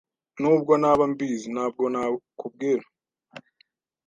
Nubwo naba mbizi, ntabwo nakubwira.